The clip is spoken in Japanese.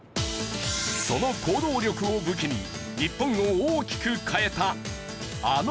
その行動力を武器に日本を大きく変えたあの人物。